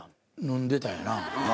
飲んでたよな。